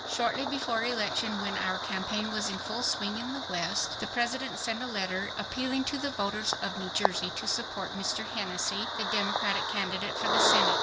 Shortly before election, when our campaign was in full swing in the West, the President sent a letter appealing to the voters of New Jersey to support Mr. Hennessey, the Democratic candidate for the Senate.